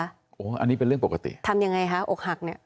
อันนี้เป็นเรื่องปกติทำยังไงคะอกหักเนี่ย